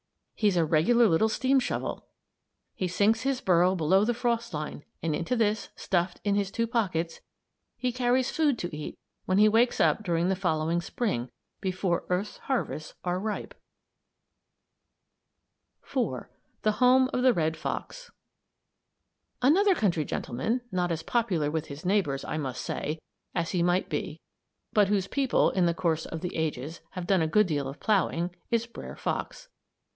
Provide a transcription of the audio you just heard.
He's a regular little steam shovel. He sinks his burrow below the frost line and into this, stuffed in his two pockets, he carries food to eat when he wakes up during the following Spring, before earth's harvests are ripe. [Illustration: POCKETS OF THE POCKET MOUSE] IV. THE HOME OF THE RED FOX Another country gentleman, not as popular with his neighbors, I must say, as he might be, but whose people, in the course of the ages, have done a good deal of ploughing, is Brer Fox.